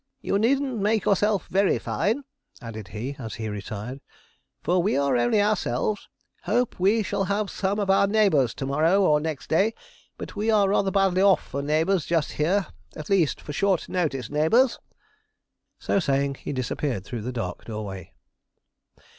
You needn't make yourself very fine,' added he, as he retired; 'for we are only ourselves: hope we shall have some of our neighbours to morrow or next day, but we are rather badly off for neighbours just here at least, for short notice neighbours.' So saying, he disappeared through the dark doorway.